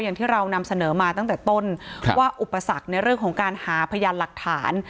อย่างที่เรานำเสนอมาตั้งแต่ต้นว่าอุปสรรคในเรื่องของการหาพยานหลักฐาน